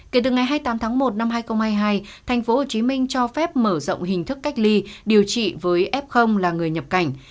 kể từ ngày hai mươi tám tháng một năm hai nghìn hai mươi hai tp hcm cho phép mở rộng hình thức cách ly điều trị với f là người nhập cảnh